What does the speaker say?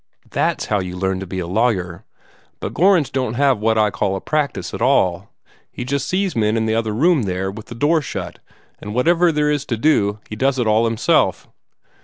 THAT'S how you learn to be a lawyer. But Gorringe don't have what I call a practice at all. He just sees men in the other room there, with the door shut, and whatever there is to do he does it all himself."